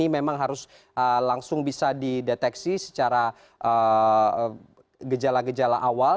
memang harus langsung bisa dideteksi secara gejala gejala awal